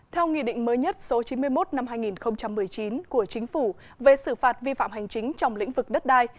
theo nghị định mới nhất số chín mươi một năm hai nghìn một mươi chín của chính phủ về xử phạt vi phạm hành chính trong lĩnh vực đất đai